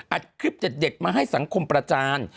อัดคลิปเด็ดมาให้สังคมประจาน